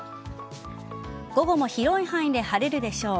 午後も広い範囲で晴れるでしょう。